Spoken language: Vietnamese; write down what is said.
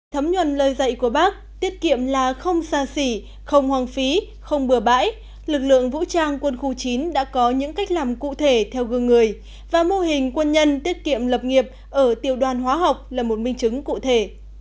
thấm nhuần lời dạy của bác tiết kiệm là không xa xỉ không hoang phí không bừa bãi lực lượng vũ trang quân khu chín đã có những cách làm cụ thể theo gương người và mô hình quân nhân tiết kiệm lập nghiệp ở tiểu đoàn hóa học là một minh chứng cụ thể